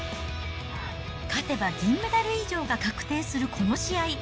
勝てば銀メダル以上が確定するこの試合。